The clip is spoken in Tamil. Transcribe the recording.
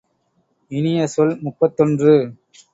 இனிய சொல் முப்பத்தொன்று.